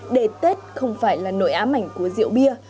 để tết không phải là nội ám ảnh của rượu bia